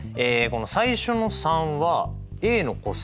最初の３はＡの個数